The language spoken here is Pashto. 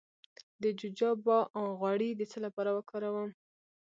د جوجوبا غوړي د څه لپاره وکاروم؟